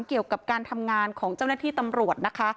เกี่ยวกับการทำงานของเจ้าหน้าที่ตำรวจนะคะ